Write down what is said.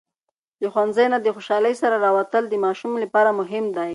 له ښوونځي نه د خوشالۍ سره راووتل د ماشوم لپاره مهم دی.